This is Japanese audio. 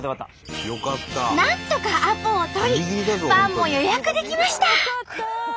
なんとかアポを取りパンも予約できました！